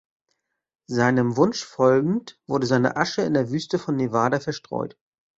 Seinem Wunsch folgend, wurde seine Asche in der Wüste von Nevada verstreut.